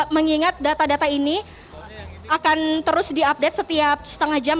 mengingat data data ini akan terus diupdate setiap setengah jam